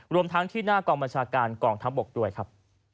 รวมทั้งที่หน้ากองบัญชาการกองทัพบกด้วยครับ